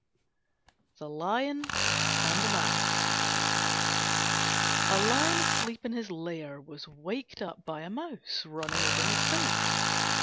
THE LION AND THE MOUSE A Lion asleep in his lair was waked up by a Mouse running over his face.